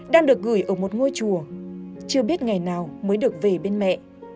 đang được gửi ở một ngôi chùa chưa biết ngày nào mới được về bên mẹ